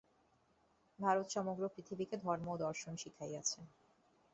ভারত সমগ্র পৃথিবীকে ধর্ম ও দর্শন শিখাইয়াছে।